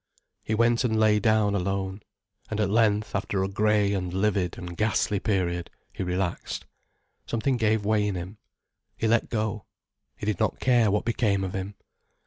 He went and lay down alone. And at length, after a grey and livid and ghastly period, he relaxed, something gave way in him. He let go, he did not care what became of him.